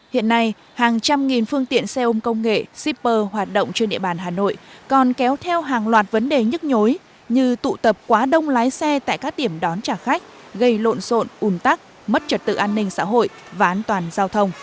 hiện nay hàng trăm nghìn phương tiện xe ôm công nghệ shipper hoạt động trên địa bàn hà nội còn kéo theo hàng loạt vấn đề nhức nhối như tụ tập quá đông lái xe tại các điểm đón trả khách gây lộn xộn ủn tắc mất trật tự an ninh xã hội và an toàn giao thông